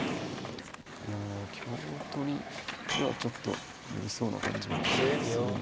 いや香取りではちょっとぬるそうな感じもするんですが。